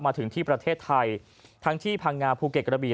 มาถึงที่ประเทศไทยทั้งที่พังงาภูเก็ตกระบี